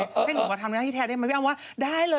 ให้หนูมาทำหน้าที่แทนได้ไหมพี่อ้ำว่าได้เลย